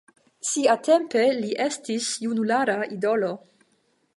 Siatempe li estis junulara idolo.